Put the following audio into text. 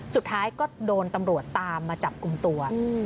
สุดท้ายก็โดนตำรวจตามมาจับกลุ่มตัว